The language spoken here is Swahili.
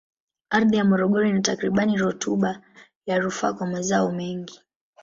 Ardhi ya Morogoro ina takribani rutuba ya kufaa kwa mazao mengi.